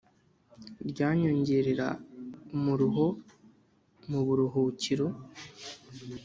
ryanyongerera umuruho mu buruhukiro